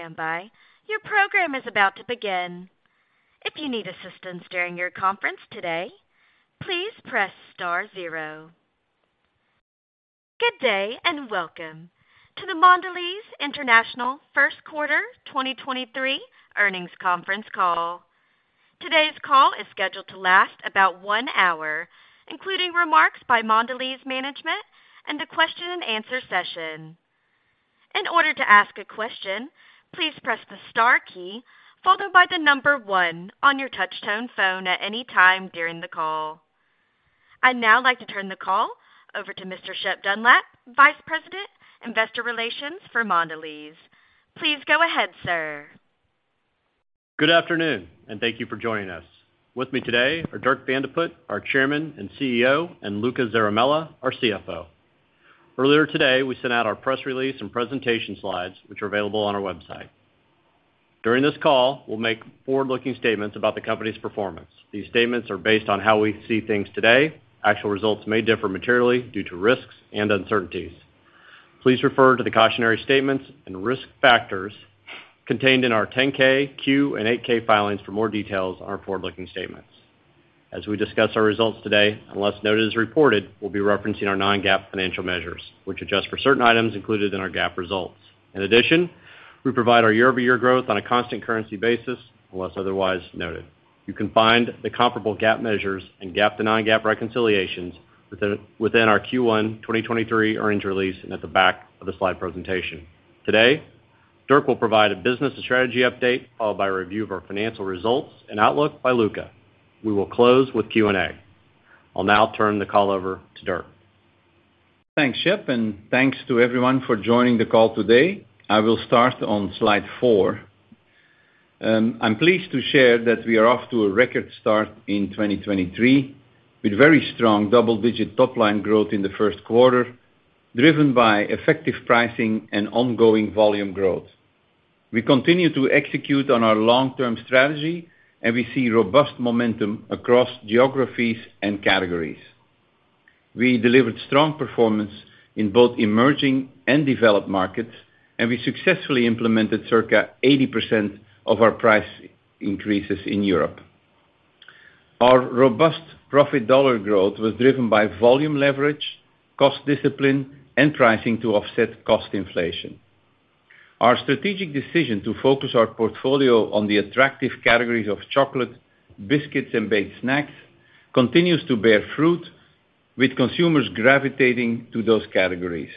Standby. Your program is about to begin. If you need assistance during your conference today, please press star zero. Good day and welcome to the Mondelēz International First Quarter 2023 Earnings Conference Call. Today's call is scheduled to last about one hour, including remarks by Mondelēz management and a question and answer session. In order to ask a question, please press the star key followed by the number one on your touch-tone phone at any time during the call. I'd now like to turn the call over to Mr. Shep Dunlap, Vice President, Investor Relations for Mondelēz. Please go ahead, sir. Good afternoon and thank you for joining us. With me today are Dirk Van de Put, our Chairman and CEO, and Luca Zaramella, our CFO. Earlier today, we sent out our press release and presentation slides, which are available on our website. During this call, we'll make forward-looking statements about the company's performance. These statements are based on how we see things today. Actual results may differ materially due to risks and uncertainties. Please refer to the cautionary statements and risk factors contained in our 10-K, Q, and 8-K filings for more details on our forward-looking statements. As we discuss our results today, unless noted as reported, we'll be referencing our non-GAAP financial measures, which adjust for certain items included in our GAAP results. In addition, we provide our year-over-year growth on a constant currency basis, unless otherwise noted. You can find the comparable GAAP measures and GAAP to non-GAAP reconciliations within our Q1 2023 earnings release and at the back of the slide presentation. Today, Dirk will provide a business and strategy update, followed by a review of our financial results and outlook by Luca. We will close with Q&A. I'll now turn the call over to Dirk. Thanks, Shep, and thanks to everyone for joining the call today. I will start on slide four. I'm pleased to share that we are off to a record start in 2023 with very strong double-digit top-line growth in the first quarter, driven by effective pricing and ongoing volume growth. We continue to execute on our long-term strategy, and we see robust momentum across geographies and categories. We delivered strong performance in both emerging and developed markets, and we successfully implemented circa 80% of our price increases in Europe. Our robust profit dollar growth was driven by volume leverage, cost discipline, and pricing to offset cost inflation. Our strategic decision to focus our portfolio on the attractive categories of chocolate, biscuits, and baked snacks continues to bear fruit, with consumers gravitating to those categories.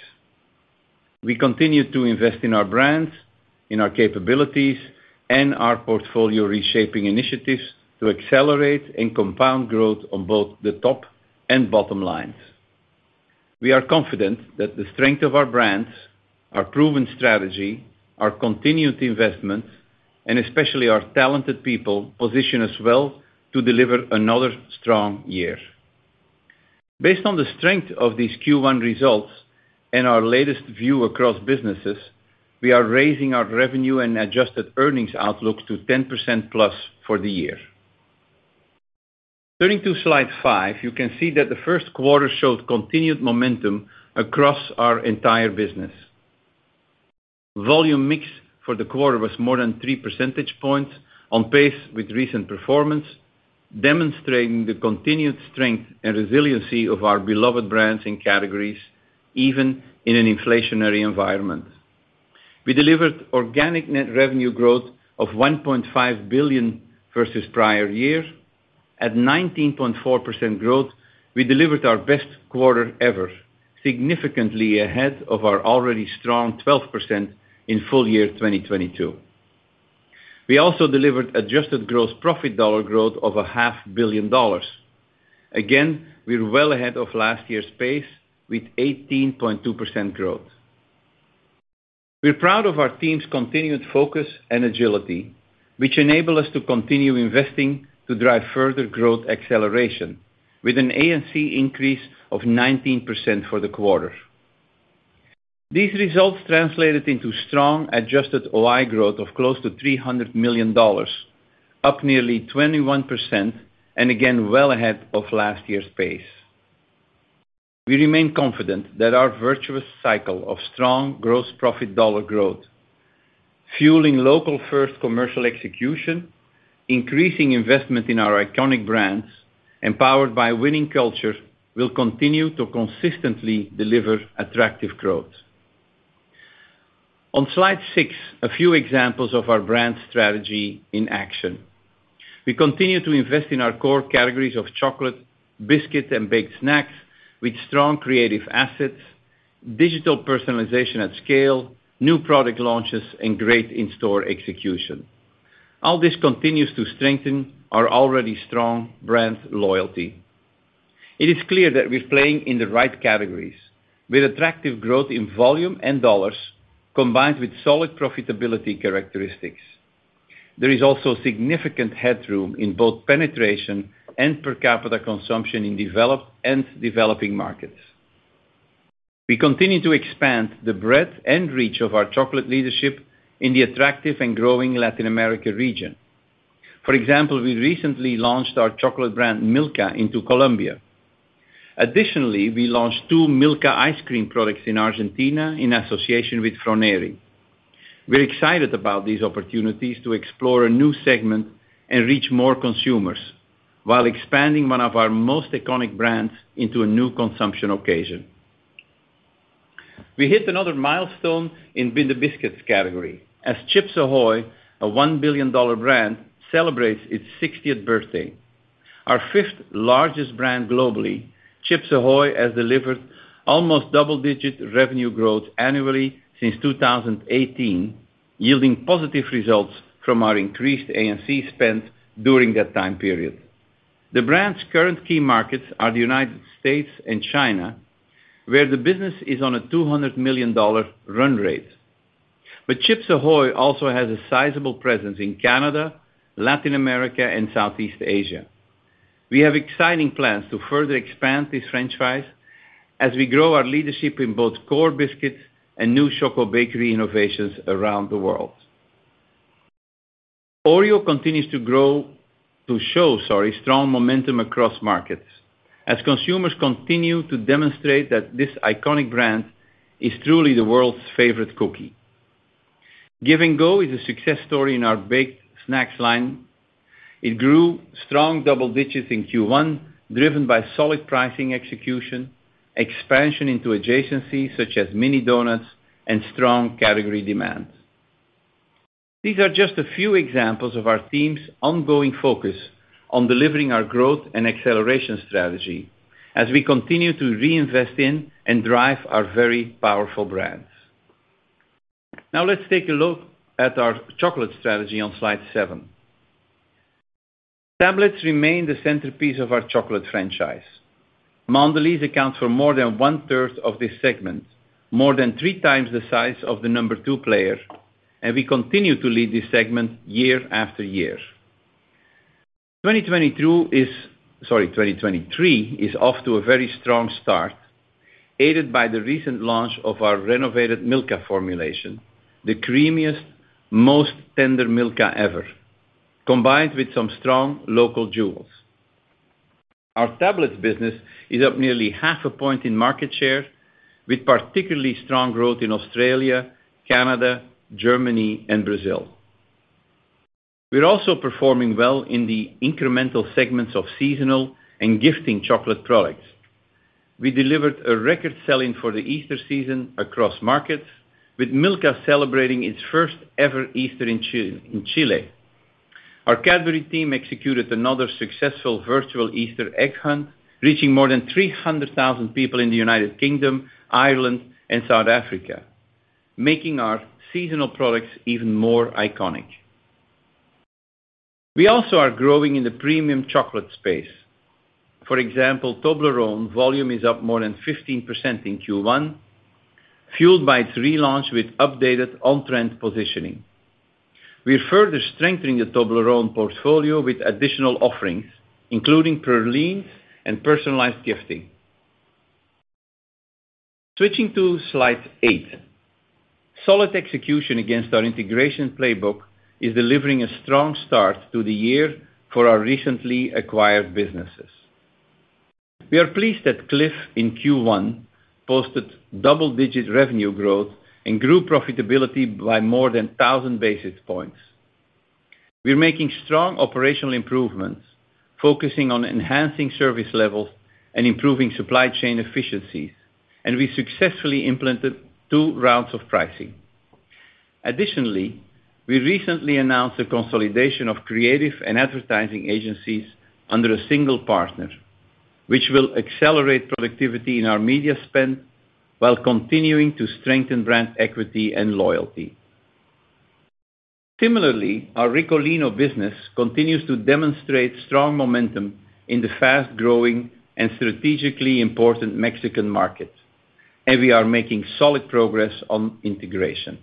We continue to invest in our brands, in our capabilities, and our portfolio reshaping initiatives to accelerate and compound growth on both the top and bottom lines. We are confident that the strength of our brands, our proven strategy, our continued investments, and especially our talented people, position us well to deliver another strong year. Based on the strength of these Q1 results and our latest view across businesses, we are raising our revenue and adjusted earnings outlook to 10%+ for the year. Turning to slide five, you can see that the first quarter showed continued momentum across our entire business. volume/mix for the quarter was more than 3 percentage points on pace with recent performance, demonstrating the continued strength and resiliency of our beloved brands and categories, even in an inflationary environment. We delivered organic net revenue growth of $1.5 billion versus prior year. At 19.4% growth, we delivered our best quarter ever, significantly ahead of our already strong 12% in full year 2022. We also delivered adjusted gross profit dollar growth of a half billion dollars. Again, we're well ahead of last year's pace with 18.2% growth. We're proud of our team's continued focus and agility, which enable us to continue investing to drive further growth acceleration with an A&C increase of 19% for the quarter. These results translated into strong adjusted OI growth of close to $300 million, up nearly 21%, and again, well ahead of last year's pace. We remain confident that our virtuous cycle of strong gross profit dollar growth, fueling local first commercial execution, increasing investment in our iconic brands, empowered by winning culture, will continue to consistently deliver attractive growth. On slide 6, a few examples of our brand strategy in action. We continue to invest in our core categories of chocolate, biscuits, and baked snacks with strong creative assets, digital personalization at scale, new product launches, and great in-store execution. All this continues to strengthen our already strong brand loyalty. It is clear that we're playing in the right categories with attractive growth in volume and dollars, combined with solid profitability characteristics. There is also significant headroom in both penetration and per capita consumption in developed and developing markets. We continue to expand the breadth and reach of our chocolate leadership in the attractive and growing Latin America region. For example, we recently launched our chocolate brand, Milka, into Colombia. Additionally, we launched two Milka ice cream products in Argentina in association with Froneri. We're excited about these opportunities to explore a new segment and reach more consumers while expanding one of our most iconic brands into a new consumption occasion. We hit another milestone in biscuit category as Chips Ahoy!, a $1 billion brand, celebrates its 60th birthday. Our fifth-largest brand globally, Chips Ahoy!, has delivered almost double-digit revenue growth annually since 2018, yielding positive results from our increased A&C spend during that time period. The brand's current key markets are the United States and China, where the business is on a $200 million run rate. Chips Ahoy! also has a sizable presence in Canada, Latin America, and Southeast Asia. We have exciting plans to further expand this franchise as we grow our leadership in both core biscuits and new chocolate bakery innovations around the world. Oreo continues to show, sorry, strong momentum across markets as consumers continue to demonstrate that this iconic brand is truly the world's favorite cookie. Give & Go is a success story in our baked snacks line. It grew strong double digits in Q1, driven by solid pricing execution, expansion into adjacencies such as mini donuts, and strong category demand. These are just a few examples of our team's ongoing focus on delivering our growth and acceleration strategy as we continue to reinvest in and drive our very powerful brands. Let's take a look at our chocolate strategy on slide seven. Tablets remain the centerpiece of our chocolate franchise. Mondelez accounts for more than 1/3 of this segment, more than three times the size of the number two player, and we continue to lead this segment year after year. 2023 is off to a very strong start, aided by the recent launch of our renovated Milka formulation, the creamiest, most tender Milka ever, combined with some strong local jewels. Our tablets business is up nearly half a point in market share, with particularly strong growth in Australia, Canada, Germany, and Brazil. We're also performing well in the incremental segments of seasonal and gifting chocolate products. We delivered a record sell-in for the Easter season across markets, with Milka celebrating its first ever Easter in Chile. Our Cadbury team executed another successful virtual Easter egg hunt, reaching more than 300,000 people in the United Kingdom, Ireland, and South Africa, making our seasonal products even more iconic. We also are growing in the premium chocolate space. For example, Toblerone volume is up more than 15% in Q1, fueled by its relaunch with updated on-trend positioning. We are further strengthening the Toblerone portfolio with additional offerings, including praline and personalized gifting. Switching to slide eight. Solid execution against our integration playbook is delivering a strong start to the year for our recently acquired businesses. We are pleased that CLIF, in Q1, posted double-digit revenue growth and grew profitability by more than 1,000 basis points. We're making strong operational improvements, focusing on enhancing service levels and improving supply chain efficiencies, and we successfully implemented two rounds of pricing. Additionally, we recently announced the consolidation of creative and advertising agencies under a single partner, which will accelerate productivity in our media spend while continuing to strengthen brand equity and loyalty. Similarly, our Ricolino business continues to demonstrate strong momentum in the fast-growing and strategically important Mexican market, and we are making solid progress on integration.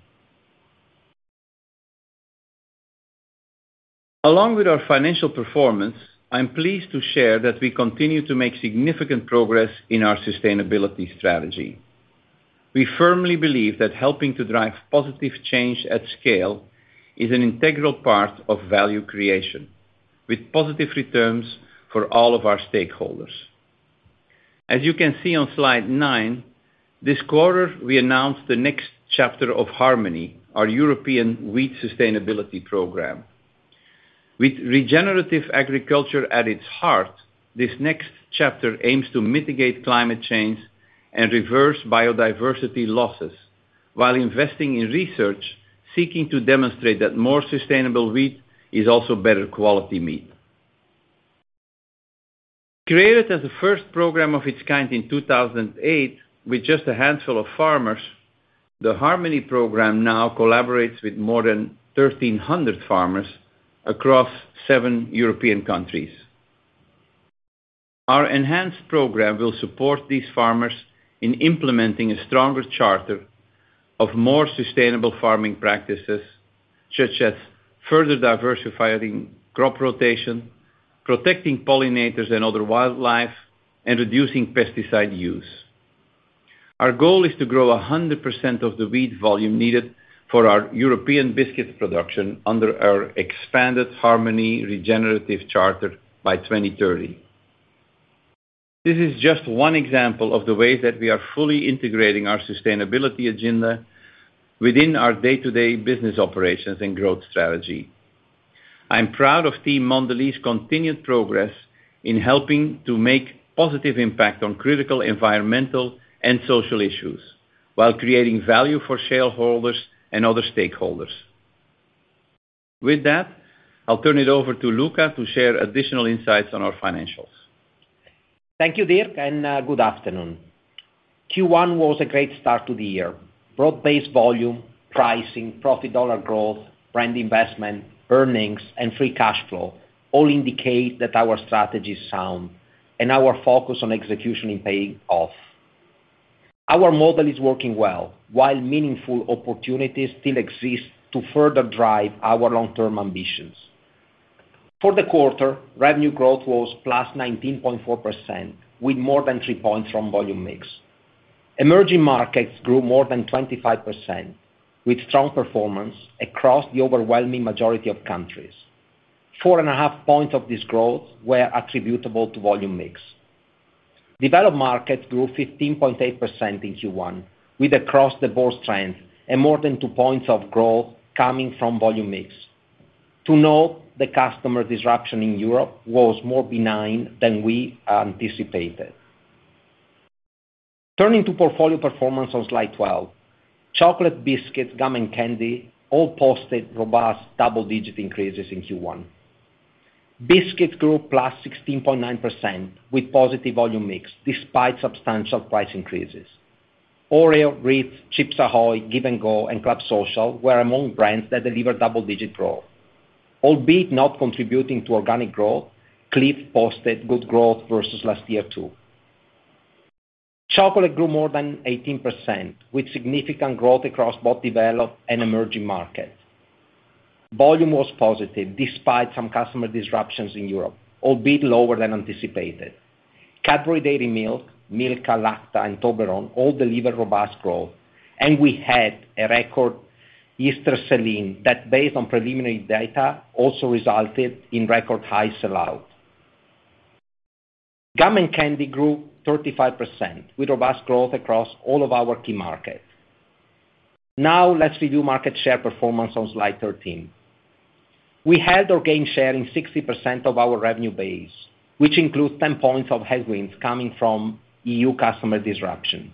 Along with our financial performance, I'm pleased to share that we continue to make significant progress in our sustainability strategy. We firmly believe that helping to drive positive change at scale is an integral part of value creation with positive returns for all of our stakeholders. As you can see on slide nine, this quarter, we announced the next chapter of Harmony, our European wheat sustainability program. With regenerative agriculture at its heart, this next chapter aims to mitigate climate change and reverse biodiversity losses while investing in research seeking to demonstrate that more sustainable wheat is also better quality wheat. Created as the first program of its kind in 2008 with just a handful of farmers, the Harmony program now collaborates with more than 1,300 farmers across seven European countries. Our enhanced program will support these farmers in implementing a stronger charter of more sustainable farming practices, such as further diversifying crop rotation, protecting pollinators and other wildlife, and reducing pesticide use. Our goal is to grow 100% of the wheat volume needed for our European biscuits production under our expanded Harmony regenerative charter by 2030. This is just one example of the way that we are fully integrating our sustainability agenda within our day-to-day business operations and growth strategy. I'm proud of Team Mondelez continued progress in helping to make positive impact on critical environmental and social issues while creating value for shareholders and other stakeholders. With that, I'll turn it over to Luca to share additional insights on our financials. Thank you, Dirk, and good afternoon. Q1 was a great start to the year. Broad-based volume, pricing, profit dollar growth, brand investment, earnings, and free cash flow all indicate that our strategy is sound, and our focus on execution in paying off. Our model is working well, while meaningful opportunities still exist to further drive our long-term ambitions. For the quarter, revenue growth was +19.4%, with more than 3 points from volume/mix. Emerging markets grew more than 25%, with strong performance across the overwhelming majority of countries. 4.5 points of this growth were attributable to volume/mix. Developed markets grew 15.8% in Q1, with across-the-board strength and more than 2 points of growth coming from volume/mix. To note, the customer disruption in Europe was more benign than we anticipated. Turning to portfolio performance on slide 12. Chocolate, biscuits, gum, and candy all posted robust double-digit increases in Q1. Biscuits grew +16.9%, with positive volume/mix despite substantial price increases. Oreo, Ritz, Chips Ahoy!, Give & Go, and Club Social were among brands that delivered double-digit growth. Albeit not contributing to organic growth, CLIF posted good growth versus last year too. Chocolate grew more than 18%, with significant growth across both developed and emerging markets. Volume was positive despite some customer disruptions in Europe, albeit lower than anticipated. Cadbury Dairy Milk, Milka, Lacta, and Toblerone all delivered robust growth, and we had a record Easter selling that, based on preliminary data, also resulted in record high sell-out. Gum and candy grew 35%, with robust growth across all of our key markets. Now let's review market share performance on slide 13. We held or gained share in 60% of our revenue base, which includes 10 points of headwinds coming from EU customer disruption.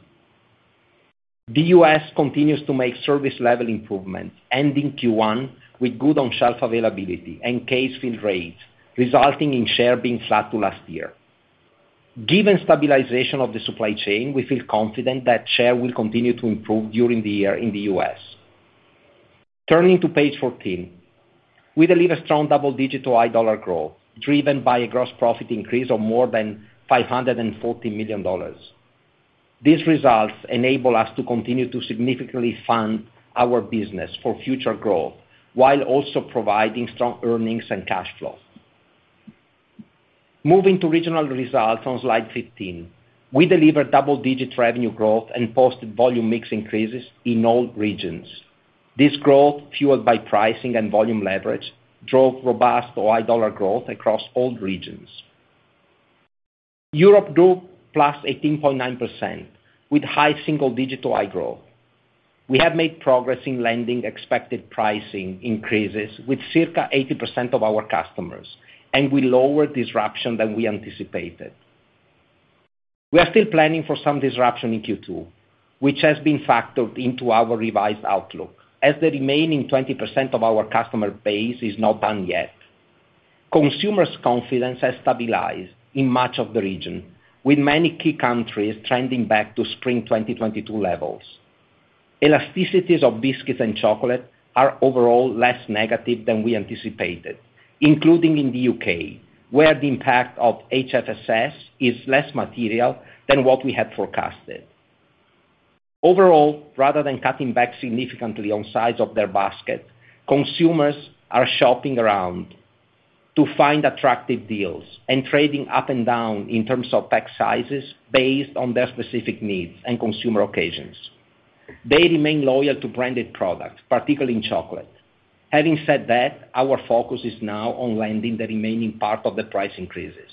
The U.S. continues to make service level improvements, ending Q1 with good on-shelf availability and case fill rates, resulting in share being flat to last year. Given stabilization of the supply chain, we feel confident that share will continue to improve during the year in the U.S. Turning to page 14. We delivered strong double-digit i-dollar growth, driven by a gross profit increase of more than $540 million. These results enable us to continue to significantly fund our business for future growth, while also providing strong earnings and cash flow. Moving to regional results on slide 15. We delivered double-digit revenue growth and posted volume mix increases in all regions. This growth, fueled by pricing and volume leverage, drove robust OI dollar growth across all regions. Europe grew plus 18.9%, with high single-digit OI growth. We have made progress in landing expected pricing increases with circa 80% of our customers, and we lowered disruption than we anticipated. We are still planning for some disruption in Q2, which has been factored into our revised outlook, as the remaining 20% of our customer base is not done yet. Consumers' confidence has stabilized in much of the region, with many key countries trending back to spring 2022 levels. Elasticities of biscuits and chocolate are overall less negative than we anticipated, including in the U.K., where the impact of HFSS is less material than what we had forecasted. Overall, rather than cutting back significantly on size of their basket, consumers are shopping around to find attractive deals and trading up and down in terms of pack sizes based on their specific needs and consumer occasions. They remain loyal to branded products, particularly in chocolate. Our focus is now on landing the remaining part of the price increases.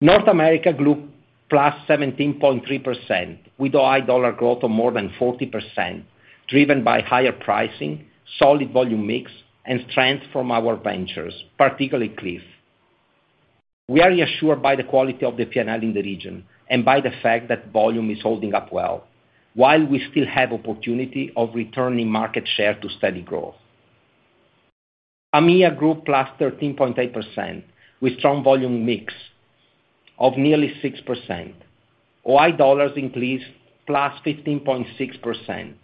North America grew +17.3%, with OI dollar growth of more than 40%, driven by higher pricing, solid volume/mix, and strength from our ventures, particularly CLIF. We are reassured by the quality of the P&L in the region and by the fact that volume is holding up well, while we still have opportunity of returning market share to steady growth. EMEA grew +13.8%, with strong volume/mix of nearly 6%, OI dollars increased +15.6%.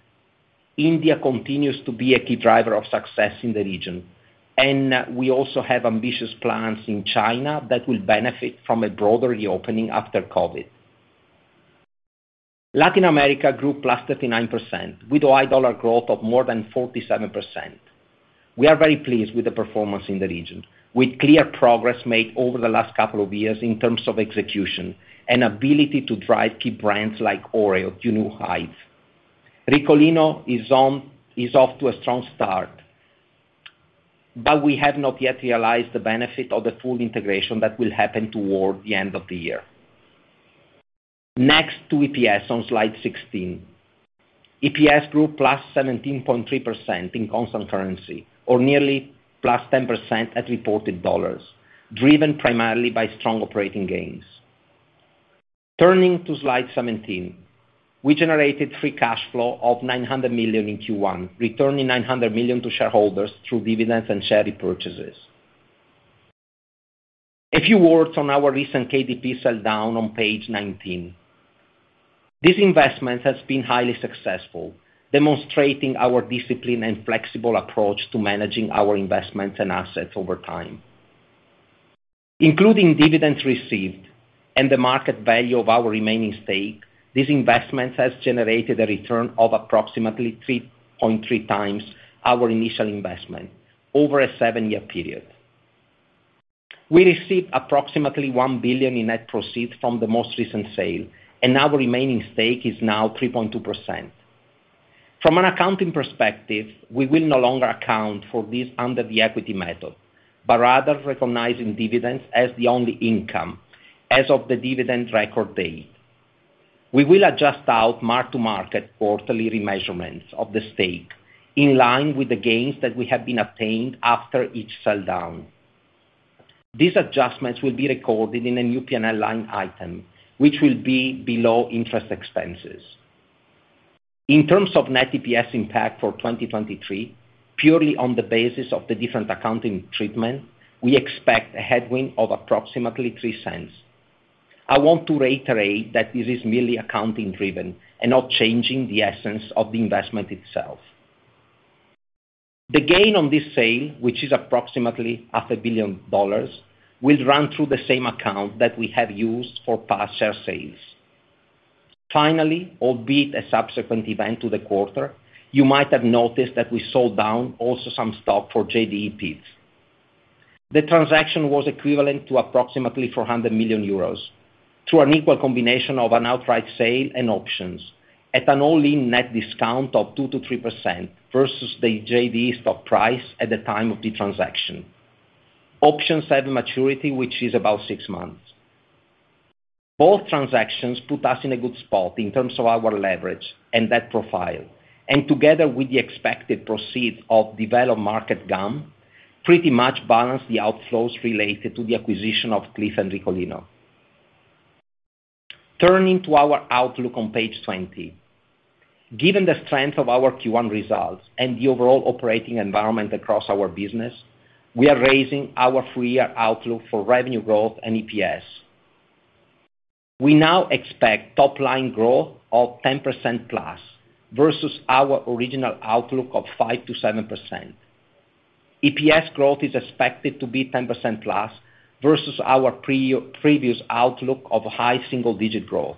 India continues to be a key driver of success in the region. We also have ambitious plans in China that will benefit from a broader reopening after COVID. Latin America grew +39% with OI $ growth of more than 47%. We are very pleased with the performance in the region, with clear progress made over the last couple of years in terms of execution and ability to drive key brands like Oreo to new heights. Ricolino is off to a strong start. We have not yet realized the benefit of the full integration that will happen toward the end of the year. Next to EPS on slide 16. EPS grew +17.3% in constant currency or nearly +10% at reported dollars, driven primarily by strong operating gains. Turning to slide 17. We generated free cash flow of $900 million in Q1, returning $900 million to shareholders through dividends and share repurchases. A few words on our recent KDP sell down on page 19. This investment has been highly successful, demonstrating our discipline and flexible approach to managing our investments and assets over time. Including dividends received and the market value of our remaining stake, this investment has generated a return of approximately 3.3x our initial investment over a seven-year period. We received approximately $1 billion in net proceeds from the most recent sale, and our remaining stake is now 3.2%. From an accounting perspective, we will no longer account for this under the equity method, but rather recognizing dividends as the only income as of the dividend record date. We will adjust out mark-to-market quarterly remeasurements of the stake in line with the gains that we have been obtained after each sell-down. These adjustments will be recorded in a new P&L line item, which will be below interest expenses. In terms of net EPS impact for 2023, purely on the basis of the different accounting treatment, we expect a headwind of approximately $0.03. I want to reiterate that this is merely accounting driven and not changing the essence of the investment itself. The gain on this sale, which is approximately half a billion dollars, will run through the same account that we have used for past share sales. Albeit a subsequent event to the quarter, you might have noticed that we sold down also some stock for JDE Peet's. The transaction was equivalent to approximately 400 million euros through an equal combination of an outright sale and options at an all-in net discount of 2%-3% versus the JDE stock price at the time of the transaction. Options have a maturity which is about 6 months. Both transactions put us in a good spot in terms of our leverage and debt profile, together with the expected proceeds of developed market gum, pretty much balance the outflows related to the acquisition of CLIF and Ricolino. Turning to our outlook on page 20. Given the strength of our Q1 results and the overall operating environment across our business, we are raising our full-year outlook for revenue growth and EPS. We now expect top line growth of 10%+ versus our original outlook of 5%-7%. EPS growth is expected to be 10%+ versus our previous outlook of high single-digit growth.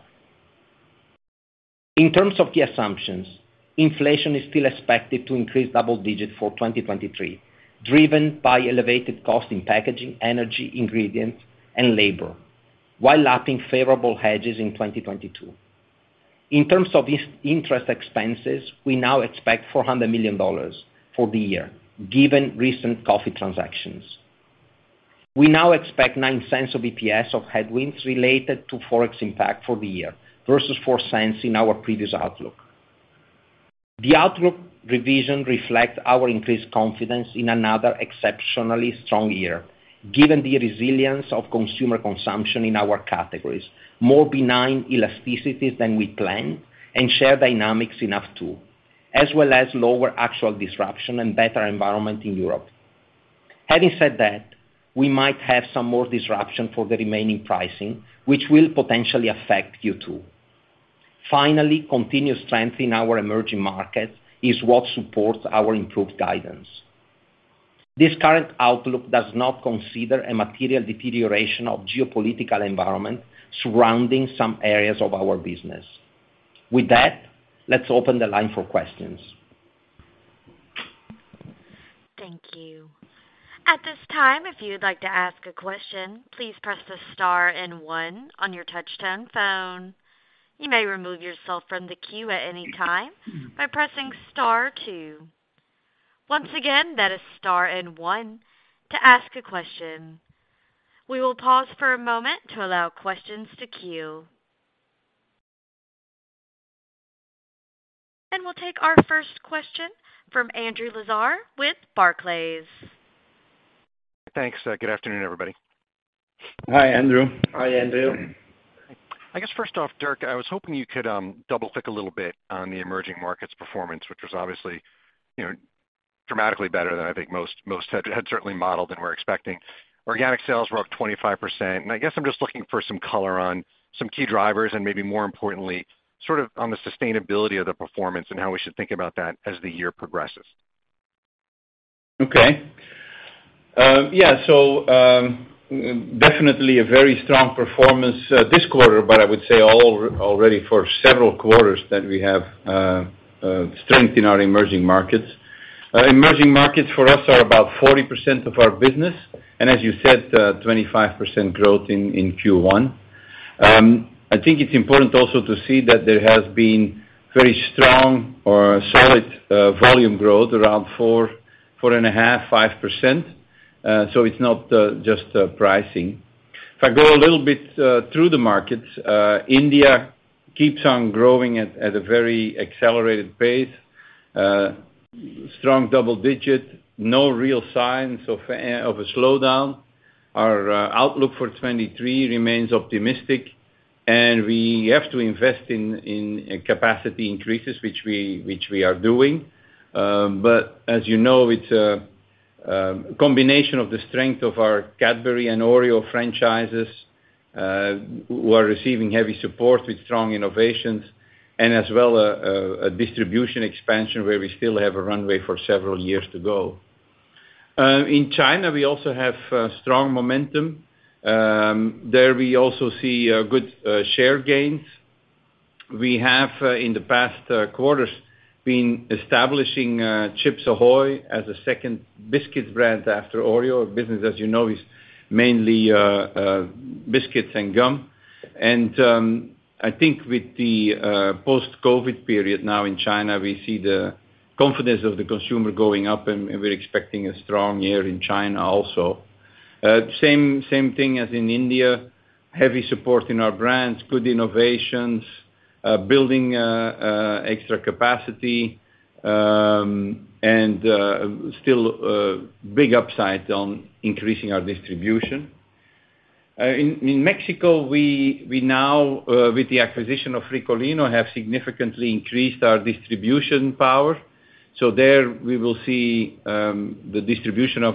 In terms of the assumptions, inflation is still expected to increase double-digit for 2023, driven by elevated cost in packaging, energy, ingredients and labor, while lapping favorable hedges in 2022. In terms of interest expenses, we now expect $400 million for the year, given recent coffee transactions. We now expect $0.09 of EPS of headwinds related to Forex impact for the year versus $0.04 in our previous outlook. The outlook revision reflects our increased confidence in another exceptionally strong year, given the resilience of consumer consumption in our categories, more benign elasticities than we planned, and share dynamics in H2, as well as lower actual disruption and better environment in Europe. Having said that, we might have some more disruption for the remaining pricing, which will potentially affect Q2. Continued strength in our emerging markets is what supports our improved guidance. This current outlook does not consider a material deterioration of geopolitical environment surrounding some areas of our business. With that, let's open the line for questions. Thank you. At this time, if you would like to ask a question, please press the star one on your touch-tone phone. You may remove yourself from the queue at any time by pressing star two. Once again, that is star one to ask a question. We will pause for a moment to allow questions to queue. We'll take our first question from Andrew Lazar with Barclays. Thanks. good afternoon, everybody. Hi, Andrew. Hi, Andrew. I guess first off, Dirk, I was hoping you could double click a little bit on the emerging markets performance, which was obviously, you know, dramatically better than I think most had certainly modeled and were expecting. Organic sales were up 25%. I guess I'm just looking for some color on some key drivers and maybe more importantly, sort of on the sustainability of the performance and how we should think about that as the year progresses. Okay. Yeah. Definitely a very strong performance this quarter, but I would say already for several quarters that we have strength in our emerging markets. Emerging markets for us are about 40% of our business. As you said, 25% growth in Q1. I think it's important also to see that there has been very strong or solid volume growth around 4.5%. It's not just pricing. If I go a little bit through the markets, India keeps on growing at a very accelerated pace, strong double digit, no real signs of a slowdown. Our outlook for 2023 remains optimistic. We have to invest in capacity increases, which we are doing. As you know, it's a combination of the strength of our Cadbury and Oreo franchises, who are receiving heavy support with strong innovations and as well a distribution expansion where we still have a runway for several years to go. In China, we also have strong momentum. There we also see good share gains. We have in the past quarters been establishing Chips Ahoy! as a second biscuit brand after Oreo. Business, as you know, is mainly biscuits and gum. I think with the post-COVID period now in China, we see the confidence of the consumer going up, and we're expecting a strong year in China also. Same thing as in India, heavy support in our brands, good innovations, building extra capacity, and still big upside on increasing our distribution. In Mexico, we now with the acquisition of Ricolino, have significantly increased our distribution power. There, we will see the distribution of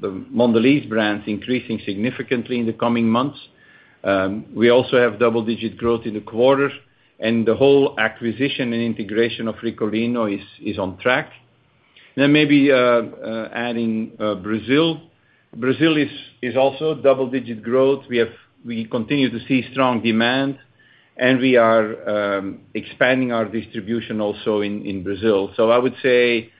the Mondelēz brands increasing significantly in the coming months. We also have double-digit growth in the quarter, and the whole acquisition and integration of Ricolino is on track. Maybe adding Brazil. Brazil is also double-digit growth. We continue to see strong demand, and we are expanding our distribution also in Brazil. I would say,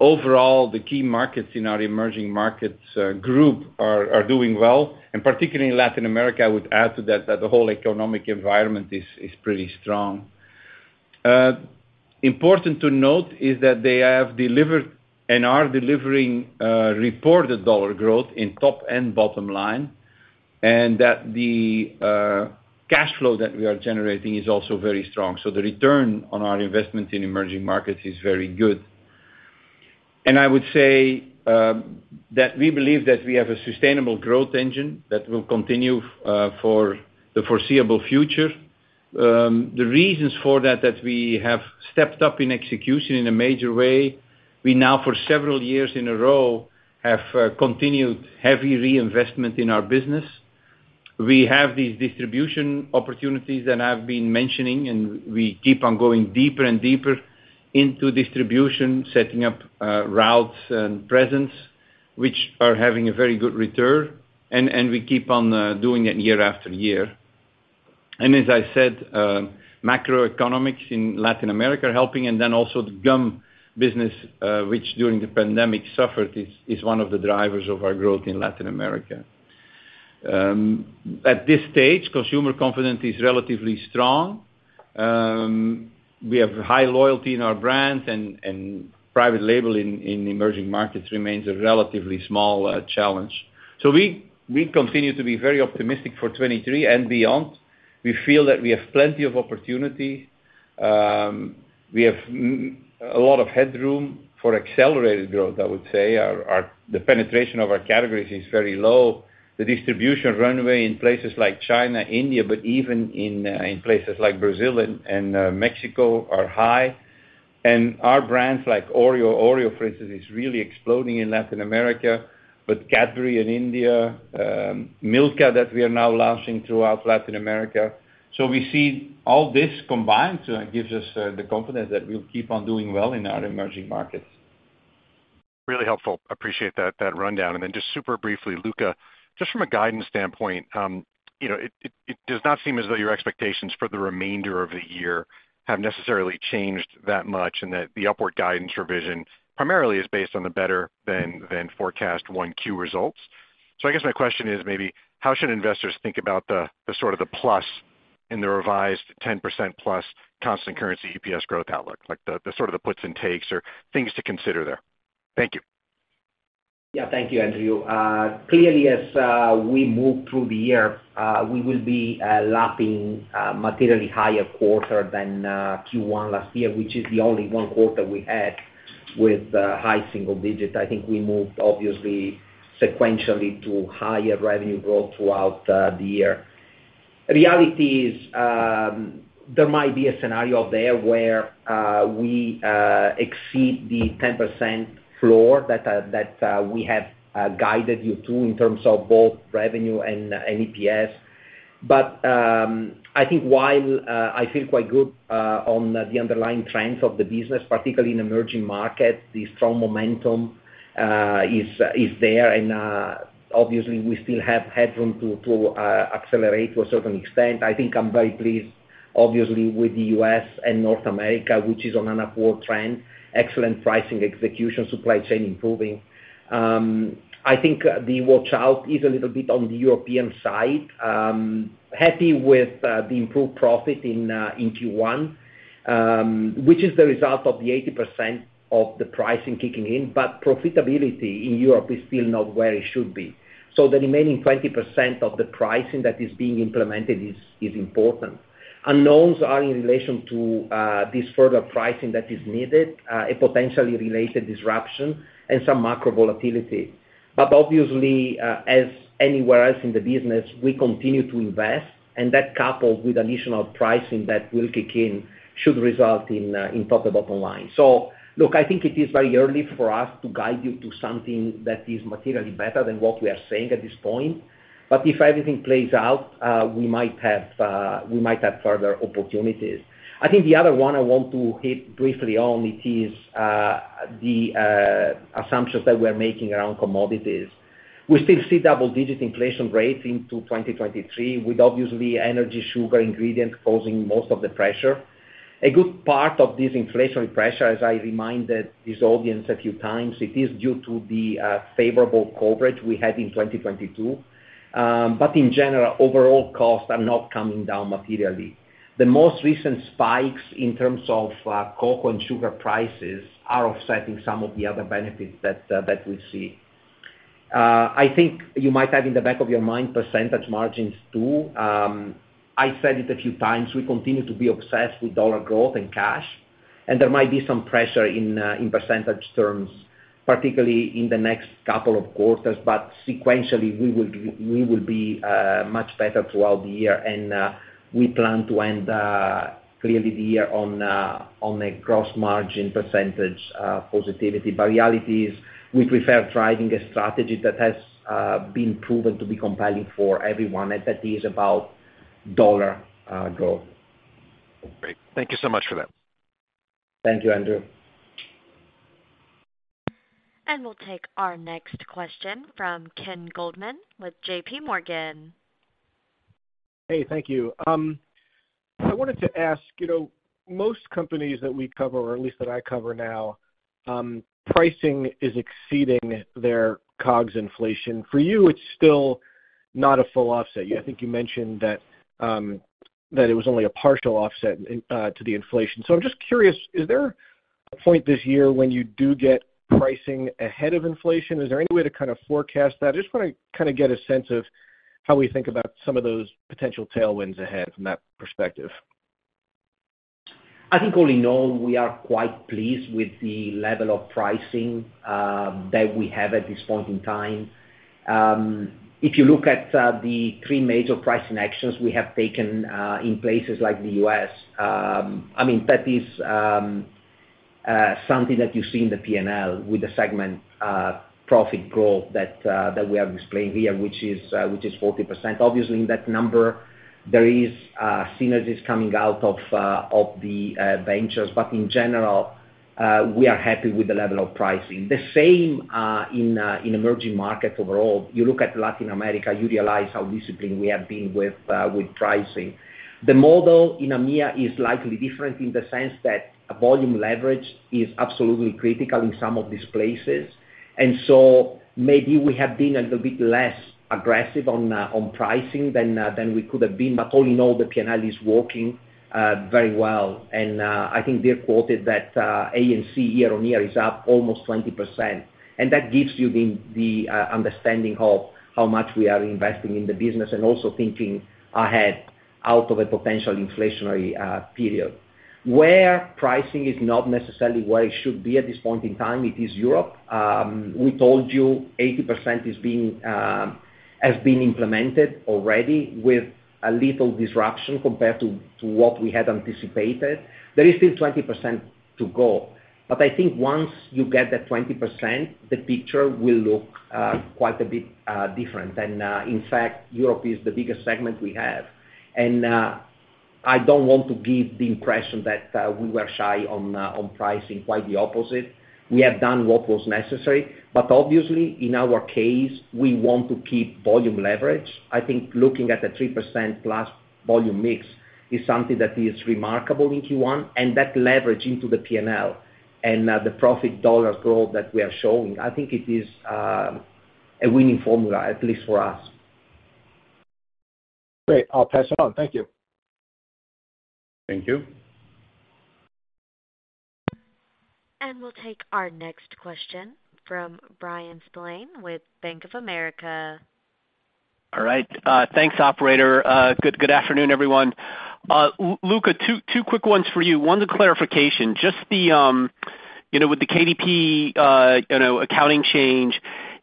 overall, the key markets in our emerging markets group are doing well. Particularly in Latin America, I would add to that the whole economic environment is pretty strong. Important to note is that they have delivered and are delivering reported dollar growth in top and bottom line, and that the cash flow that we are generating is also very strong. The return on our investment in emerging markets is very good. I would say that we believe that we have a sustainable growth engine that will continue for the foreseeable future. The reasons for that we have stepped up in execution in a major way. We now, for several years in a row, have continued heavy reinvestment in our business. We have these distribution opportunities that I've been mentioning. We keep on going deeper and deeper into distribution, setting up routes and presence, which are having a very good return, and we keep on doing it year after year. As I said, macroeconomics in Latin America are helping. Then also the gum business, which during the pandemic suffered, is one of the drivers of our growth in Latin America. At this stage, consumer confidence is relatively strong. We have high loyalty in our brands. Private label in emerging markets remains a relatively small challenge. We continue to be very optimistic for 23 and beyond. We feel that we have plenty of opportunity. We have a lot of headroom for accelerated growth, I would say. Our the penetration of our categories is very low. The distribution runway in places like China, India, but even in places like Brazil and Mexico are high. Our brands like Oreo, for instance, is really exploding in Latin America, but Cadbury in India, Milka that we are now launching throughout Latin America. We see all this combined gives us the confidence that we'll keep on doing well in our emerging markets. Really helpful. Appreciate that rundown. Just super briefly, Luca, just from a guidance standpoint, you know, it does not seem as though your expectations for the remainder of the year have necessarily changed that much and that the upward guidance revision primarily is based on the better than forecast 1Q results. I guess my question is maybe how should investors think about the sort of the plus in the revised 10% plus constant currency EPS growth outlook? Like, the sort of the puts and takes or things to consider there. Thank you. Yeah. Thank you, Andrew. Clearly as we move through the year, we will be lapping materially higher quarter than Q1 last year, which is the only one quarter we had with high single digits. I think we moved obviously sequentially to higher revenue growth throughout the year. The reality is, there might be a scenario there where we exceed the 10% floor that we have guided you to in terms of both revenue and EPS. I think while I feel quite good on the underlying trends of the business, particularly in emerging markets, the strong momentum is there. Obviously, we still have headroom to accelerate to a certain extent. I think I'm very pleased, obviously, with the U.S. and North America, which is on an upward trend, excellent pricing execution, supply chain improving. I think the watch out is a little bit on the European side. Happy with the improved profit in Q1, which is the result of the 80% of the pricing kicking in, but profitability in Europe is still not where it should be. The remaining 20% of the pricing that is being implemented is important. Unknowns are in relation to this further pricing that is needed, a potentially related disruption and some macro volatility. Obviously, as anywhere else in the business, we continue to invest, and that coupled with additional pricing that will kick in should result in top to bottom line. Look, I think it is very early for us to guide you to something that is materially better than what we are saying at this point. If everything plays out, we might have further opportunities. I think the other one I want to hit briefly on it is the assumptions that we're making around commodities. We still see double-digit inflation rates into 2023, with obviously energy, sugar, ingredient causing most of the pressure. A good part of this inflationary pressure, as I reminded this audience a few times, it is due to the favorable coverage we had in 2022. In general, overall costs are not coming down materially. The most recent spikes in terms of cocoa and sugar prices are offsetting some of the other benefits that we see. I think you might have in the back of your mind percentage margins too. I said it a few times, we continue to be obsessed with dollar growth and cash, and there might be some pressure in percentage terms, particularly in the next couple of quarters. Sequentially, we will be much better throughout the year. We plan to end clearly the year on a gross margin percentage positivity. Reality is we prefer driving a strategy that has been proven to be compelling for everyone, and that is about dollar growth. Great. Thank you so much for that. Thank you, Andrew. We'll take our next question from Ken Goldman with JPMorgan. Hey, thank you. I wanted to ask, you know, most companies that we cover, or at least that I cover now, pricing is exceeding their COGS inflation. For you, it's still not a full offset. I think you mentioned that it was only a partial offset to the inflation. I'm just curious, is there a point this year when you do get pricing ahead of inflation? Is there any way to kind of forecast that? I just wanna kind of get a sense of how we think about some of those potential tailwinds ahead from that perspective. I think all in all, we are quite pleased with the level of pricing that we have at this point in time. If you look at the three major pricing actions we have taken in places like the U.S., I mean, that is something that you see in the P&L with the segment profit growth that we have explained here, which is 40%. Obviously, in that number, there is synergies coming out of the ventures. In general, we are happy with the level of pricing. The same in emerging markets overall. You look at Latin America, you realize how disciplined we have been with pricing. The model in EMEA is slightly different in the sense that volume leverage is absolutely critical in some of these places. Maybe we have been a little bit less aggressive on pricing than we could have been. All in all, the P&L is working very well. I think they quoted that, A&C year-over-year is up almost 20%. That gives you the understanding of how much we are investing in the business and also thinking ahead out of a potential inflationary period. Where pricing is not necessarily where it should be at this point in time, it is Europe. We told you 80% is being, has been implemented already with a little disruption compared to what we had anticipated. There is still 20% to go. I think once you get that 20%, the picture will look quite a bit different. In fact, Europe is the biggest segment we have. I don't want to give the impression that we were shy on pricing, quite the opposite. We have done what was necessary, but obviously, in our case, we want to keep volume leverage. I think looking at the 3%+ volume/mix is something that is remarkable in Q1, and that leverage into the P&L and the profit dollar growth that we are showing, I think it is a winning formula, at least for us. Great. I'll pass it on. Thank you. Thank you. We'll take our next question from Bryan Spillane with Bank of America. All right. Thanks, operator. Good afternoon, everyone. Luca, two quick ones for you. One's a clarification. Just the, you know, with the KDP, you know, accounting change,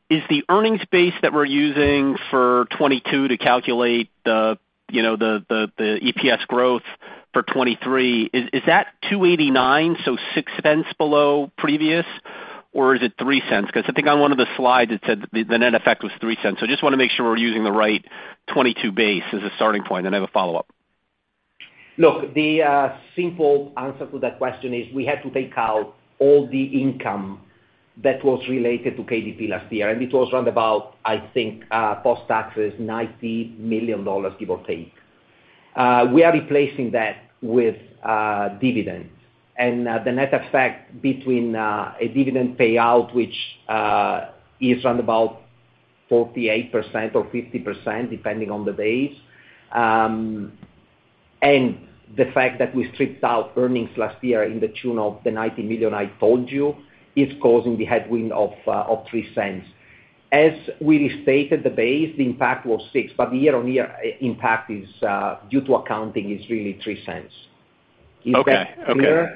is the earnings base that we're using for 2022 to calculate the, you know, the EPS growth for 2023, is that $2.89, so $0.06 below previous? Is it $0.03? I think on one of the slides it said the net effect was $0.03. I just want to make sure we're using the right 2022 base as a starting point, and I have a follow-up. Look, the simple answer to that question is we had to take out all the income that was related to KDP last year, and it was around about, I think, post-taxes, $90 million, give or take. We are replacing that with dividends. The net effect between a dividend payout, which is around about 48% or 50%, depending on the base, and the fact that we stripped out earnings last year in the tune of the $90 million I told you, is causing the headwind of $0.03. As we restated the base, the impact was $0.06, but the year-on-year impact is due to accounting, is really $0.03. Is that clear? Okay. Okay.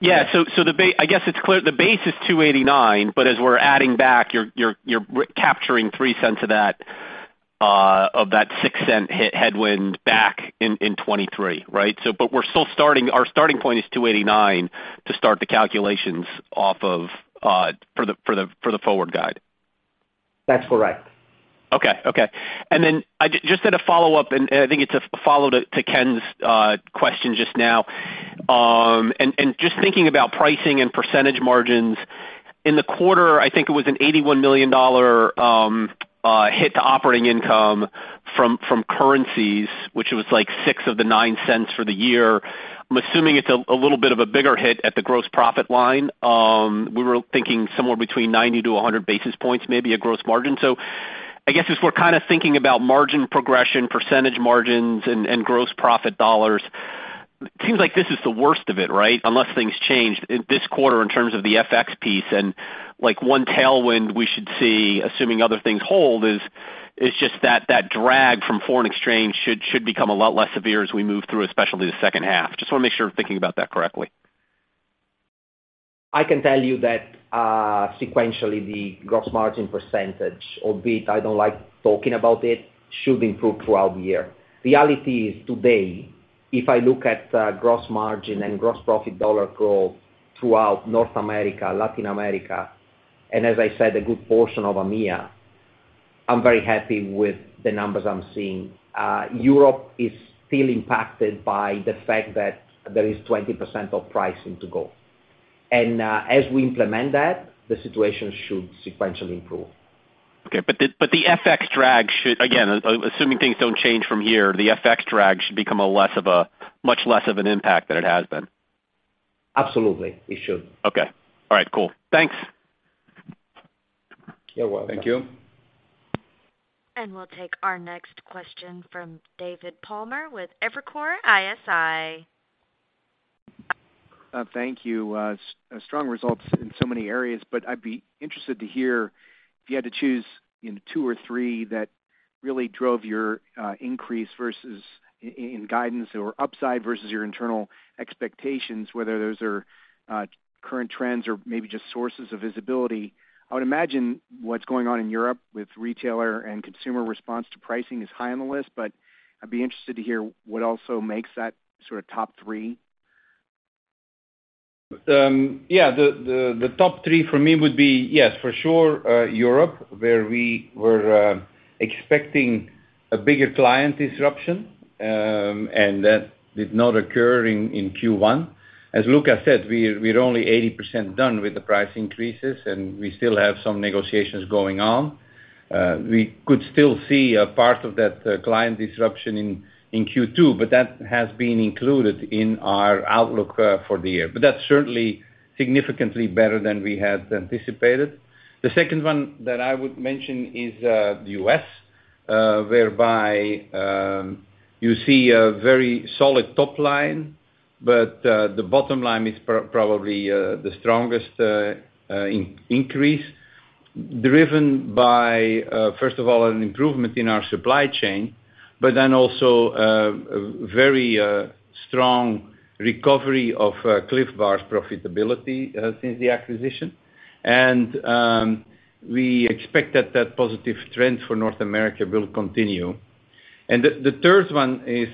Yeah. I guess it's clear. The base is $2.89, but as we're adding back, you're re-capturing $0.03 of that $0.06 headwind back in 2023, right? But our starting point is $2.89 to start the calculations off of for the forward guide. That's correct. Okay. Okay. Just had a follow-up, and I think it's a follow to Ken's question just now. And just thinking about pricing and percentage margins, in the quarter, I think it was an $81 million hit to operating income from currencies, which was, like, $0.06 of the $0.09 for the year. I'm assuming it's a little bit of a bigger hit at the gross profit line. We were thinking somewhere between 90 to 100 basis points, maybe a gross margin. I guess as we're kind of thinking about margin progression, percentage margins and gross profit dollars, seems like this is the worst of it, right? Unless things change in this quarter in terms of the FX piece and, like, one tailwind we should see, assuming other things hold, is just that drag from foreign exchange should become a lot less severe as we move through, especially the second half. Just wanna make sure we're thinking about that correctly. I can tell you that, sequentially, the gross margin percentage, albeit I don't like talking about it, should improve throughout the year. Reality is today, if I look at, gross margin and gross profit dollar growth throughout North America, Latin America, and as I said, a good portion of EMEA, I'm very happy with the numbers I'm seeing. Europe is still impacted by the fact that there is 20% of pricing to go. As we implement that, the situation should sequentially improve. Okay, the FX drag should, again, assuming things don't change from here, the FX drag should become a less of a, much less of an impact than it has been. Absolutely, it should. Okay. All right, cool. Thanks. You're welcome. Thank you. We'll take our next question from David Palmer with Evercore ISI. Thank you. strong results in so many areas, I'd be interested to hear if you had to choose, you know, two or three that really drove your increase versus in guidance or upside versus your internal expectations, whether those are current trends or maybe just sources of visibility. I would imagine what's going on in Europe with retailer and consumer response to pricing is high on the list, I'd be interested to hear what also makes that sort of top three. Yeah. The top three for me would be, yes, for sure, Europe, where we were expecting a bigger client disruption, and that did not occur in Q1. As Luca said, we're only 80% done with the price increases, and we still have some negotiations going on. We could still see a part of that client disruption in Q2, but that has been included in our outlook for the year. That's certainly significantly better than we had anticipated. The second one that I would mention is the U.S., whereby you see a very solid top line, but the bottom line is probably the strongest increase, driven by, first of all, an improvement in our supply chain, but then also a very strong recovery of CLIF Bar's profitability since the acquisition. We expect that that positive trend for North America will continue. The third one is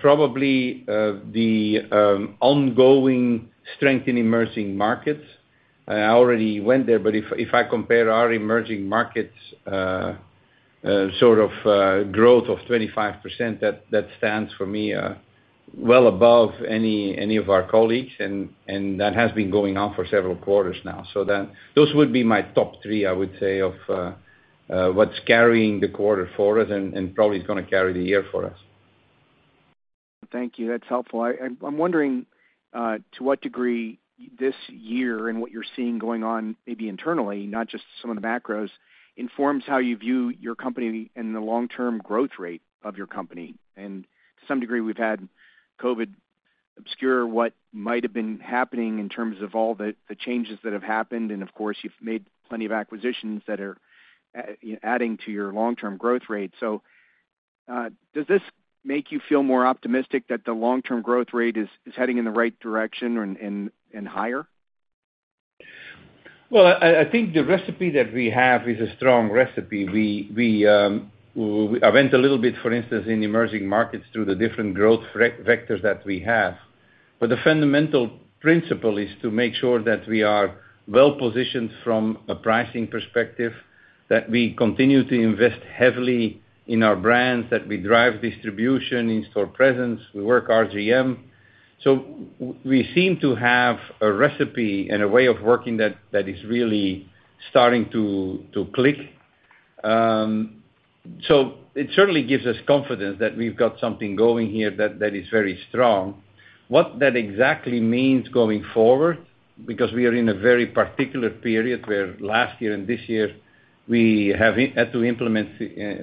probably the ongoing strength in emerging markets. I already went there, but if I compare our emerging markets growth of 25%, that stands for me well above any of our colleagues, and that has been going on for several quarters now. Those would be my top three, I would say, of what's carrying the quarter for us and probably is gonna carry the year for us. Thank you. That's helpful. I'm wondering to what degree this year and what you're seeing going on, maybe internally, not just some of the macros, informs how you view your company and the long-term growth rate of your company. To some degree, we've had COVID obscure what might have been happening in terms of all the changes that have happened. Of course, you've made plenty of acquisitions that are adding to your long-term growth rate. Does this make you feel more optimistic that the long-term growth rate is heading in the right direction and higher? Well, I think the recipe that we have is a strong recipe. We event a little bit, for instance, in emerging markets through the different growth vectors that we have. The fundamental principle is to make sure that we are well-positioned from a pricing perspective, that we continue to invest heavily in our brands, that we drive distribution in-store presence. We work RGM. We seem to have a recipe and a way of working that is really starting to click. It certainly gives us confidence that we've got something going here that is very strong. What that exactly means going forward, because we are in a very particular period where last year and this year, we had to implement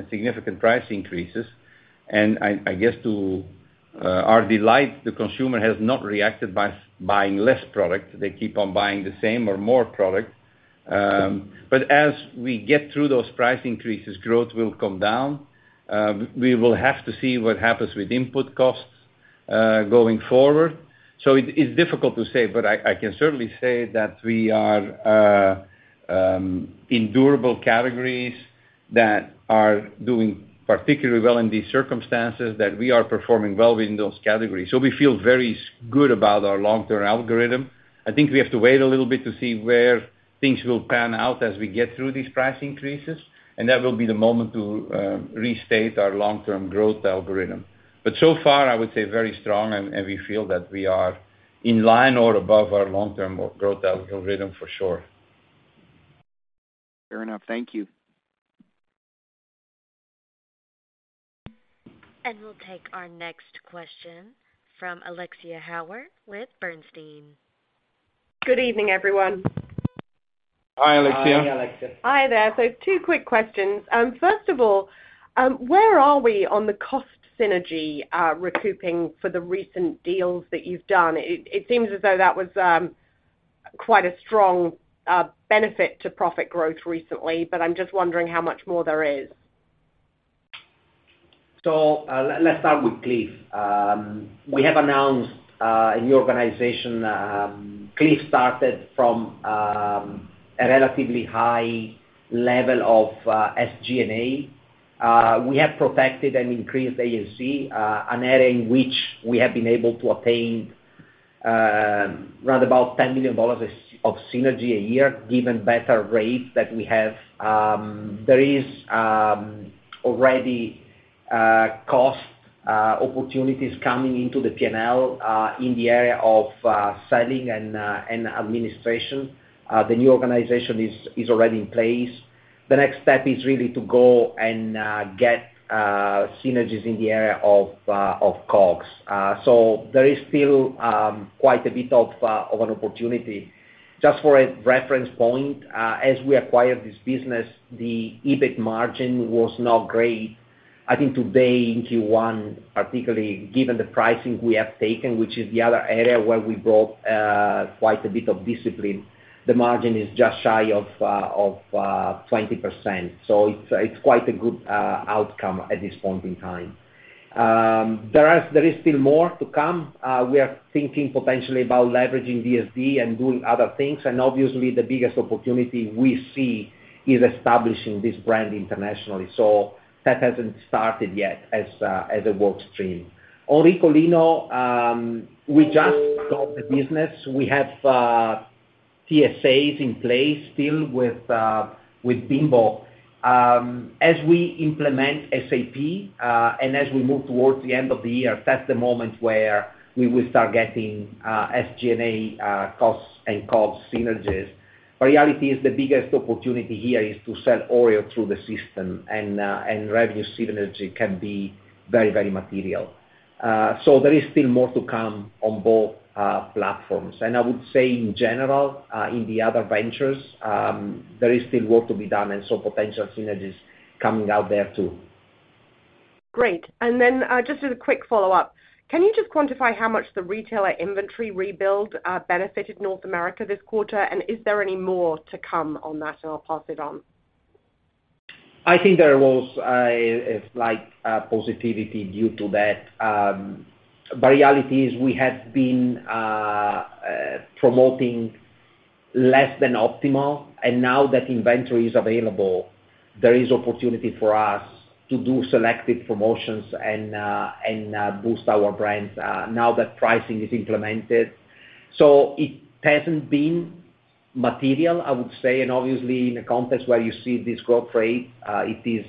significantly price increases. I guess to our delight, the consumer has not reacted by buying less product. They keep on buying the same or more product. As we get through those price increases, growth will come down. We will have to see what happens with input costs going forward. It's difficult to say, but I can certainly say that we are in durable categories that are doing particularly well in these circumstances, that we are performing well within those categories. We feel very good about our long-term algorithm. I think we have to wait a little bit to see where things will pan out as we get through these price increases, that will be the moment to restate our long-term growth algorithm. So far, I would say very strong and we feel that we are in line or above our long-term or growth algorithm for sure. Fair enough. Thank you. We'll take our next question from Alexia Howard with Bernstein. Good evening, everyone. Hi, Alexia. Hi, Alexia. Hi there. Two quick questions. First of all, where are we on the cost synergy recouping for the recent deals that you've done? It seems as though that was quite a strong benefit to profit growth recently, but I'm just wondering how much more there is. Let's start with CLIF. We have announced a new organization. CLIF started from a relatively high level of SG&A. We have protected and increased A&C, an area in which we have been able to obtain round about $10 million of synergy a year, given better rates that we have. There is already cost opportunities coming into the P&L in the area of selling and administration. The new organization is already in place. The next step is really to go and get synergies in the area of COGS. There is still quite a bit of an opportunity. Just for a reference point, as we acquired this business, the EBIT margin was not great. I think today in Q1, particularly given the pricing we have taken, which is the other area where we brought quite a bit of discipline, the margin is just shy of 20%. It's quite a good outcome at this point in time. There is still more to come. We are thinking potentially about leveraging DSD and doing other things. Obviously, the biggest opportunity we see is establishing this brand internationally. That hasn't started yet as a work stream. On Ricolino, we just got the business. We have TSAs in place still with Bimbo. As we implement SAP, and as we move towards the end of the year, that's the moment where we will start getting SG&A costs and COGS synergies. Reality is the biggest opportunity here is to sell Oreo through the system and revenue synergy can be very, very material. There is still more to come on both platforms. I would say in general, in the other ventures, there is still work to be done and so potential synergies coming out there, too. Great. Just as a quick follow-up, can you just quantify how much the retailer inventory rebuild, benefited North America this quarter? Is there any more to come on that? I'll pass it on. I think there was a slight positivity due to that. Reality is we have been promoting less than optimal. Now that inventory is available, there is opportunity for us to do selective promotions and boost our brands now that pricing is implemented. It hasn't been material, I would say. Obviously in a context where you see this growth rate, it is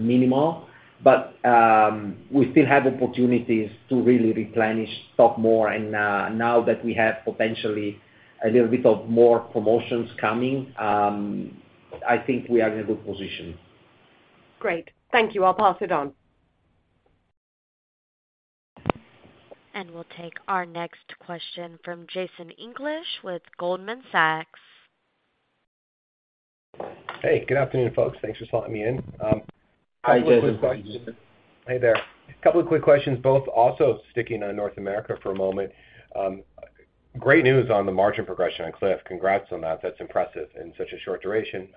minimal. We still have opportunities to really replenish stock more. Now that we have potentially a little bit of more promotions coming, I think we are in a good position. Great. Thank you. I'll pass it on. We'll take our next question from Jason English with Goldman Sachs. Hey, good afternoon, folks. Thanks for letting me in. Hi, Jason. Hey there. A couple of quick questions, both also sticking on North America for a moment. Great news on the margin progression on CLIF. Congrats on that. That's impressive in such a short duration.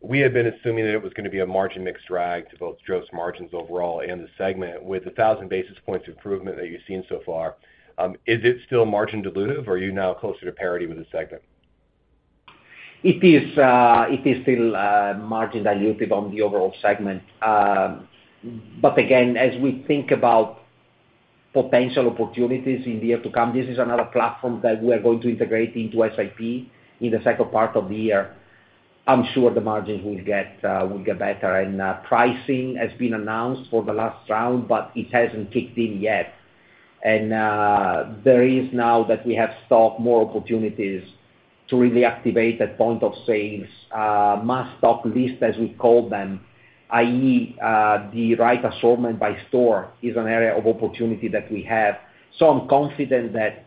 We had been assuming that it was gonna be a margin mix drag to both gross margins overall and the segment. With a 1,000 basis points improvement that you've seen so far, is it still margin dilutive, or are you now closer to parity with the segment? It is, it is still margin dilutive on the overall segment. Again, as we think about potential opportunities in the year to come, this is another platform that we are going to integrate into SAP in the second part of the year. I'm sure the margins will get better. Pricing has been announced for the last round, but it hasn't kicked in yet. There is now that we have stock more opportunities to really activate that point of sales must-stock list, as we call them, i.e., the right assortment by store is an area of opportunity that we have. I'm confident that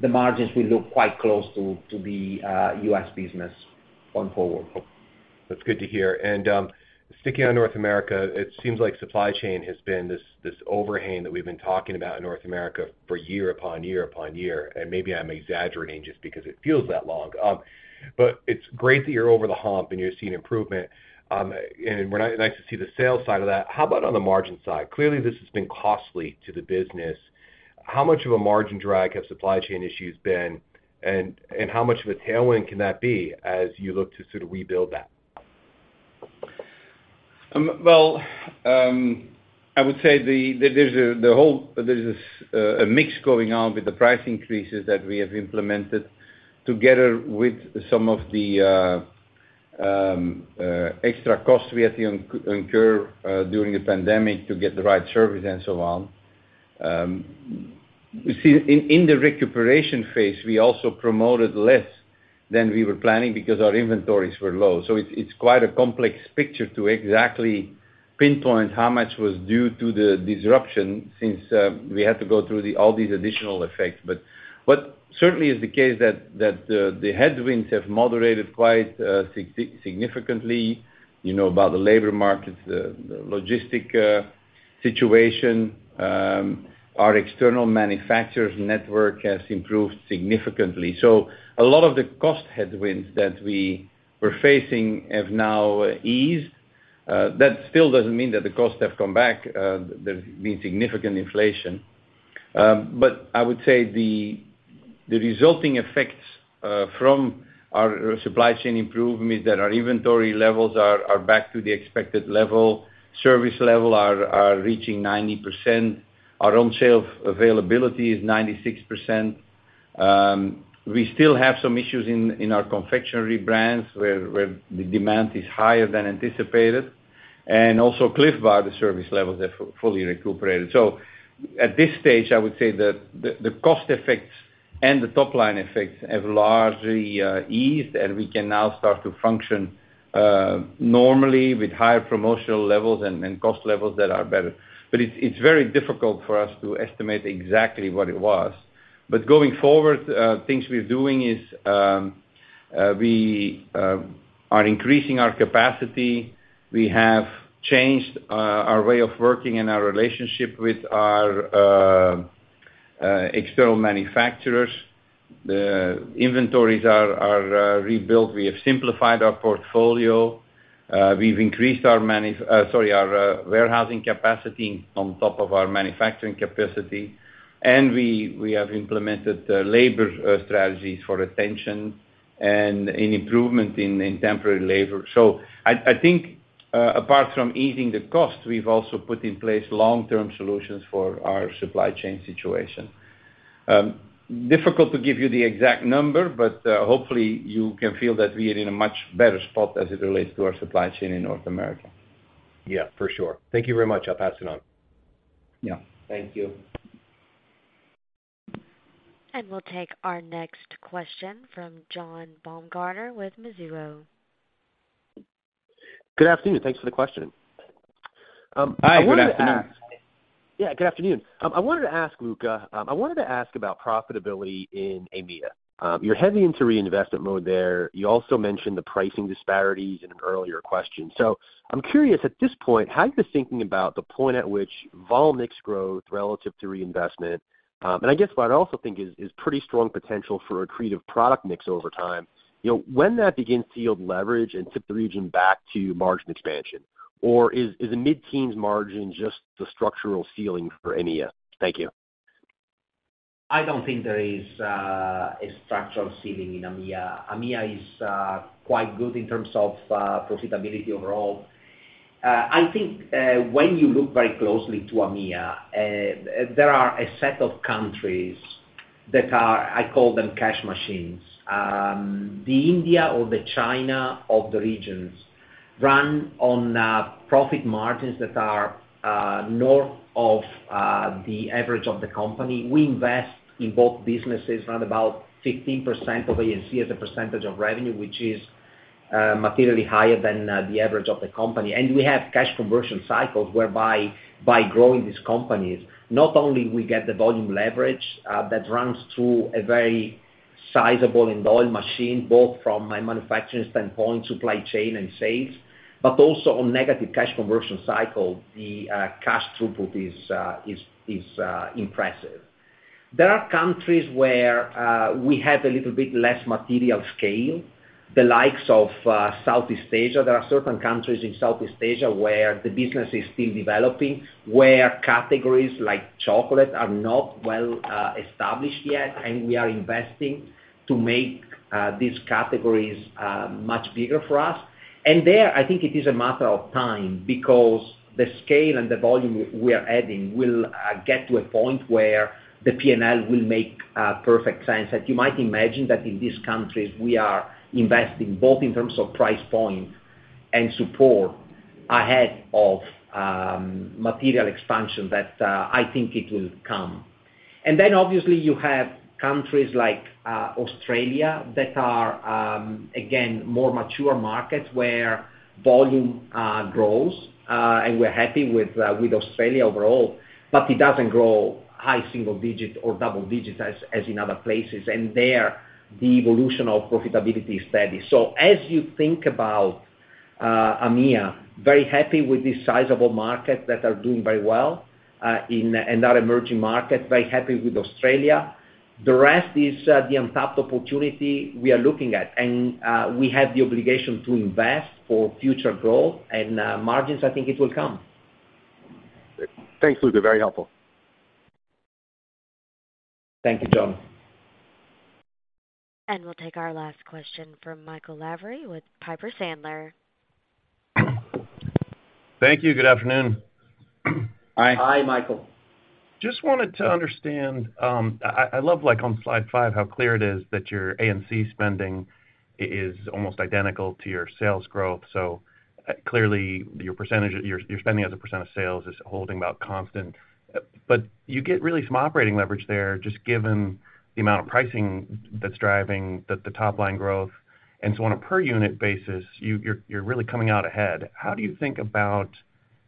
the margins will look quite close to the U.S. business going forward. That's good to hear. Sticking on North America, it seems like supply chain has been this overhang that we've been talking about in North America for year upon year upon year, and maybe I'm exaggerating just because it feels that long. It's great that you're over the hump and you're seeing improvement. Nice to see the sales side of that. How about on the margin side? Clearly, this has been costly to the business. How much of a margin drag have supply chain issues been? How much of a tailwind can that be as you look to sort of rebuild that? Well, I would say the, there's this, a mix going on with the price increases that we have implemented together with some of the extra costs we had to incur during the pandemic to get the right service and so on. You see, in the recuperation phase, we also promoted less than we were planning because our inventories were low. It's quite a complex picture to exactly pinpoint how much was due to the disruption since we had to go through all these additional effects. Certainly it's the case that the headwinds have moderated quite significantly, you know, about the labor markets, the logistic situation. Our external manufacturers network has improved significantly. A lot of the cost headwinds that we were facing have now eased. That still doesn't mean that the costs have come back, there's been significant inflation. I would say the resulting effects from our supply chain improvement is that our inventory levels are back to the expected level. Service level are reaching 90%. Our own shelf availability is 96%. We still have some issues in our confectionery brands where the demand is higher than anticipated, and also CLIF Bar, the service levels have fully recuperated. At this stage, I would say that the cost effects and the top line effects have largely eased, and we can now start to function normally with higher promotional levels and cost levels that are better. It's very difficult for us to estimate exactly what it was. Going forward, things we're doing is, we are increasing our capacity. We have changed our way of working and our relationship with our external manufacturers. The inventories are rebuilt. We have simplified our portfolio. We've increased our warehousing capacity on top of our manufacturing capacity. We have implemented labor strategies for retention and an improvement in temporary labor. I think, apart from easing the cost, we've also put in place long-term solutions for our supply chain situation. Difficult to give you the exact number, but hopefully you can feel that we are in a much better spot as it relates to our supply chain in North America. Yeah, for sure. Thank you very much. I'll pass it on. Yeah. Thank you. We'll take our next question from John Baumgartner with Mizuho. Good afternoon. Thanks for the question. Hi, good afternoon. Good afternoon. I wanted to ask, Luca, I wanted to ask about profitability in EMEA. You're heading into reinvestment mode there. You also mentioned the pricing disparities in an earlier question. I'm curious, at this point, how are you thinking about the point at which vol mix growth relative to reinvestment, and I guess what I also think is pretty strong potential for accretive product mix over time, you know, when that begins to yield leverage and tip the region back to margin expansion? Or is the mid-teens margin just the structural ceiling for EMEA? Thank you. I don't think there is a structural ceiling in EMEA. EMEA is quite good in terms of profitability overall. I think when you look very closely to EMEA, there are a set of countries that are, I call them cash machines. The India or the China of the regions run on profit margins that are north of the average of the company. We invest in both businesses around about 15% of A&C as a percentage of revenue, which is materially higher than the average of the company. We have cash conversion cycles whereby by growing these companies, not only we get the volume leverage that runs through a very sizable installed machine, both from a manufacturing standpoint, supply chain and sales, but also on negative cash conversion cycle, the cash throughput is impressive. There are countries where we have a little bit less material scale, the likes of Southeast Asia. There are certain countries in Southeast Asia where the business is still developing, where categories like chocolate are not well established yet, we are investing to make these categories much bigger for us. There, I think it is a matter of time because the scale and the volume we are adding will get to a point where the P&L will make perfect sense. As you might imagine that in these countries, we are investing both in terms of price point and support ahead of material expansion that I think it will come. Obviously you have countries like Australia that are again, more mature markets where volume grows. We're happy with Australia overall, but it doesn't grow high single digit or double digit as in other places. There, the evolution of profitability is steady. As you think about EMEA, very happy with the sizable markets that are doing very well, and that emerging market, very happy with Australia. The rest is the untapped opportunity we are looking at, and we have the obligation to invest for future growth and margins, I think it will come. Thanks, Luca. Very helpful. Thank you, John. We'll take our last question from Michael Lavery with Piper Sandler. Thank you. Good afternoon. Hi. Hi, Michael. Just wanted to understand. I love, like on slide five, how clear it is that your A&C spending is almost identical to your sales growth. Clearly, your spending as a percent of sales is holding about constant. You get really some operating leverage there, just given the amount of pricing that's driving the top line growth. On a per unit basis, you're really coming out ahead. How do you think about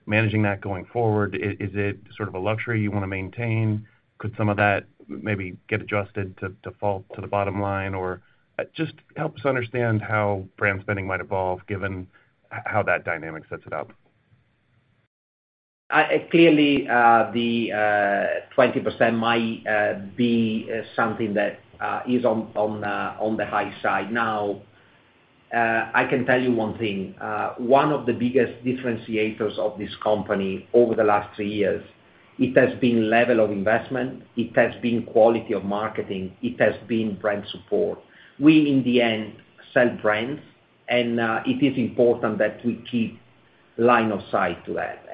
managing that going forward? Is it sort of a luxury you wanna maintain? Could some of that maybe get adjusted to fall to the bottom line? Just help us understand how brand spending might evolve given how that dynamic sets it up. Clearly, the 20% might be something that is on the high side. I can tell you one thing, one of the biggest differentiators of this company over the last three years, it has been level of investment, it has been quality of marketing, it has been brand support. We, in the end, sell brands, and it is important that we keep line of sight to that.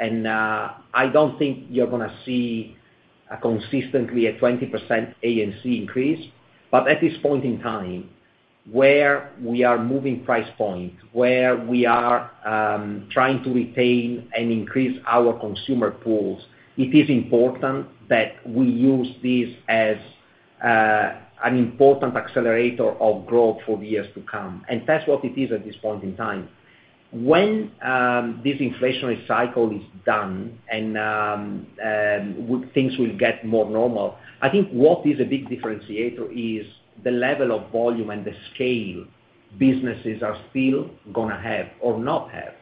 I don't think you're gonna see a consistently a 20% A&C increase. At this point in time where we are moving price point, where we are trying to retain and increase our consumer pools, it is important that we use this as an important accelerator of growth for years to come, and that's what it is at this point in time. When this inflationary cycle is done and things will get more normal, I think what is a big differentiator is the level of volume and the scale businesses are still gonna have or not have.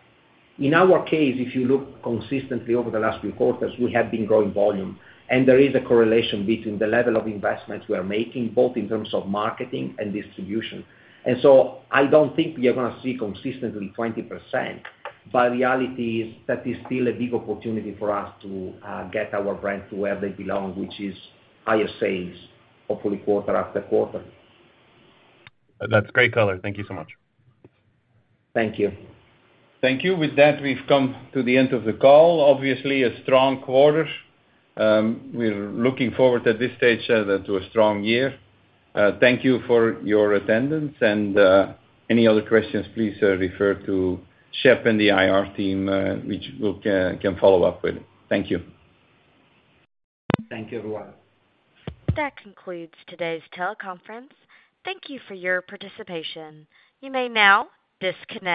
In our case, if you look consistently over the last few quarters, we have been growing volume, and there is a correlation between the level of investments we are making, both in terms of marketing and distribution. I don't think we are gonna see consistently 20%, but reality is that is still a big opportunity for us to get our brands to where they belong, which is higher sales, hopefully quarter after quarter. That's great color. Thank you so much. Thank you. Thank you. With that, we've come to the end of the call. Obviously, a strong quarter. We're looking forward at this stage to a strong year. Thank you for your attendance and any other questions, please refer to Shep and the IR team, which we can follow up with. Thank you. Thank you, everyone. That concludes today's teleconference. Thank you for your participation. You may now disconnect.